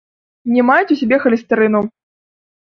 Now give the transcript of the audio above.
Не маюць у сабе халестэрыну.